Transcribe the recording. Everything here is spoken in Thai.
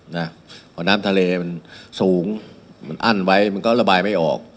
เพราะน้ำทะเลมันสูงมันอั้นไว้มันก็ระบายไม่ออก